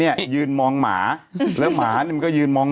เดี๋ยวคุณผู้ชมไปเปิดหาค่ามาเย็นเลยนะ